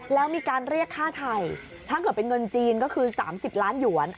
แล้วมีการเรียกค่าไทยถ้าเกิดเป็นเงินจีนก็คือ๓๐ล้านหยวน